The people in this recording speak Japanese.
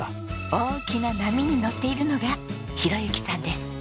大きな波に乗っているのが宏幸さんです。